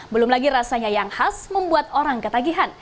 belum lagi rasanya yang khas membuat orang ketagihan